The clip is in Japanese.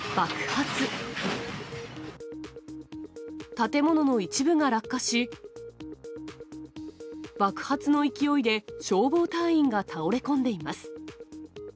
建物の一部が落下し、爆発の勢いで、消防隊員が倒れ込んでいます。